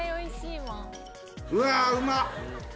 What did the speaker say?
うわうまっ！